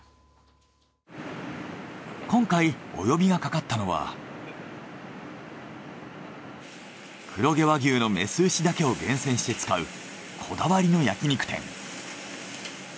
今回お呼びがかかったのは黒毛和牛の雌牛だけを厳選して使うこだわりの焼き肉店。